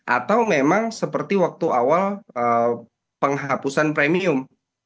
atau memang seperti waktu awal penghapusan premium